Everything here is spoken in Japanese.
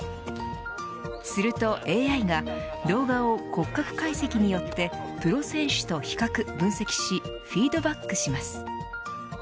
するとＡＩが動画を骨格解析によってプロ選手と比較、分析しフィードバックします。